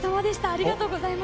ありがとうございます。